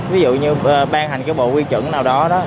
ví dụ như ban hành cái bộ quy chuẩn nào đó đó